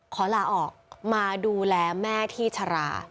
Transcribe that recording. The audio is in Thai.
ขอลาออกมาดูแลแม่ที่ชรา